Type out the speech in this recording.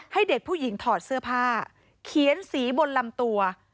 ให้เด็กผู้หญิงถอดเสื้อผ้าเขียนสีบนลำตัว